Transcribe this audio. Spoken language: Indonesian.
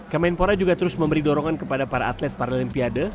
kemenpora juga terus memberi dorongan kepada para atlet paralimpiade